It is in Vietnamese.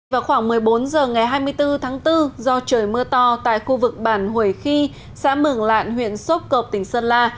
vào khoảng một mươi bốn h ngày hai mươi bốn tháng bốn do trời mưa to tại khu vực bản hủy khi xã mường lạn huyện sốp cộp tỉnh sơn la